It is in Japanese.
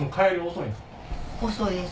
遅いです。